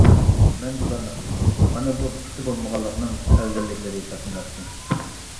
مەن بۇلارنى قىلدىم، مانا بۇ پۇتى بولمىغانلىقنىڭ ئەۋزەللىكلىرى ھېسابلىناتتى.